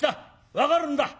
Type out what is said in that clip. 分かるんだ。